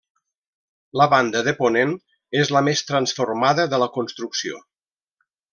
La banda de ponent és la més transformada de la construcció.